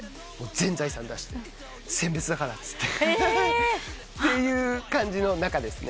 全財産出して「餞別だから」っていう感じの仲ですね。